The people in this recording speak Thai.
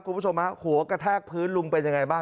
คุณผู้ชมฮะหัวกระแทกพื้นลุงเป็นยังไงบ้าง